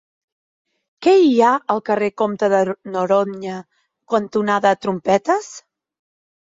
Què hi ha al carrer Comte de Noroña cantonada Trompetes?